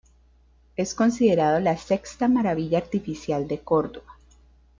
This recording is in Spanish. Es considerado la sexta Maravilla Artificial de Cordoba.